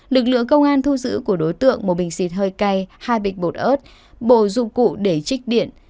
lực lượng công an thu giữ của đối tượng một bình xịt hơi cay hai bịch bột ớt bộ dụng cụ để trích điện